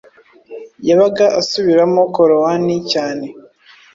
yabaga asubiramo korowani cyane